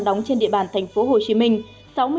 đóng trên địa bàn tp hcm